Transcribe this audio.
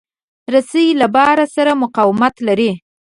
رسۍ له بار سره مقاومت لري.